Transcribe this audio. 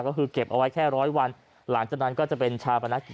ก็คือเก็บเอาไว้แค่ร้อยวันหลังจากนั้นก็จะเป็นชาปนกิจ